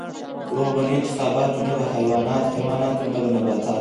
تر هغو به نه انتخابات وي، نه به حیوانات حیوانات وي او نه نباتات.